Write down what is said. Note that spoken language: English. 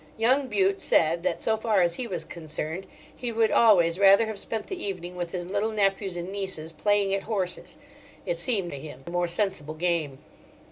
Young Bute said that, so far as he was concerned, he would always rather have spent the evening with his little nephews and nieces, playing at horses; it seemed to him a more sensible game.